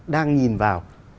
đang nhìn vào